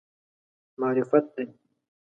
معرفت دی.